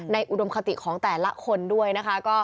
อุดมคติของแต่ละคนด้วยนะคะ